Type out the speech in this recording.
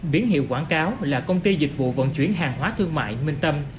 biến hiệu quảng cáo là công ty dịch vụ vận chuyển hàng hóa thương mại minh tâm